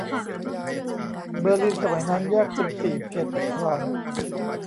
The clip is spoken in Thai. เบอร์ลินสมัยนั้นแยกเป็นสี่เขตปกครอง